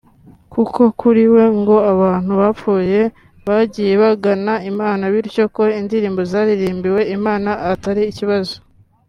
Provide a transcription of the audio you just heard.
kuko kuri we ngo abo bantu bapfuye bagiye bagana Imana bityo ko indirimbo zaririmbiwe Imana atari ikibazo